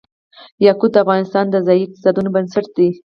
یاقوت د افغانستان د ځایي اقتصادونو بنسټ دی.